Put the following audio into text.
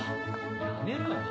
やめろよな。